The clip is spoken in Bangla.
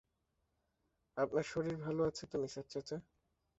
আপনার শরীর ভালো আছে তো নিসার চাচা?